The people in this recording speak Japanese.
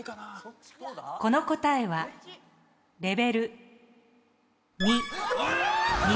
この答えはレベル２。